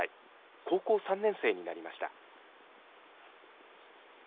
高校３年生になりました。